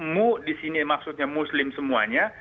mu disini maksudnya muslim semuanya